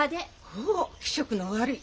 おお気色の悪い！